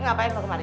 ngapain lo kemari